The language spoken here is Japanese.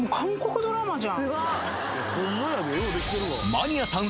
マニアさん